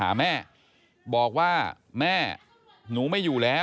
ไอ้แม่ได้เอาแม่ได้เอาแม่